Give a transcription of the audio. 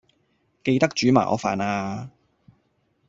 記得煮埋我飯呀